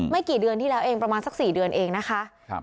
กี่เดือนที่แล้วเองประมาณสัก๔เดือนเองนะคะ